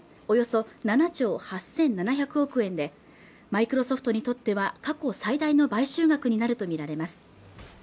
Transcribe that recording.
およそ７兆８７００億円でマイクロソフトにとっては過去最大の買収額になると見られます